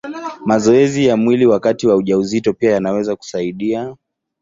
Mazoezi ya mwili wakati wa ujauzito pia yanaweza kusaidia.